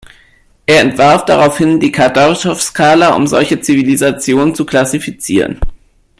Er entwarf daraufhin die Kardaschow-Skala, um solche Zivilisationen zu klassifizieren.